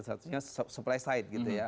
satunya supply side gitu ya